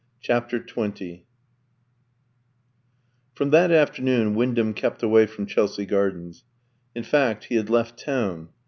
CHAPTER XX From that afternoon Wyndham kept away from Chelsea Gardens; in fact, he had left town.